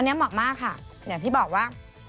อันนี้เหมาะมากค่ะอย่างที่บอกว่า